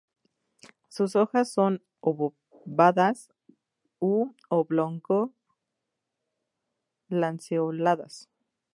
Sus hojas son obovadas u oblongo-lanceoladas.